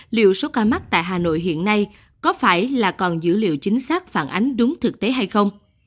liệu số ca mắc tại hà nội hiện nay có phải là còn dữ liệu chính xác phản ánh đúng thực tế hay không